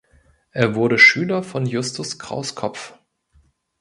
Er wurde Schüler von Justus Krauskopf.